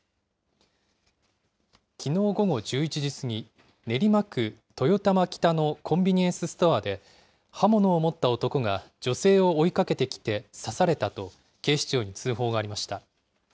きのう午後１１時過ぎ、練馬区豊玉北のコンビニエンスストアで、刃物を持った男が女性を追いかけてきて刺されたと、警視庁に通報がありました。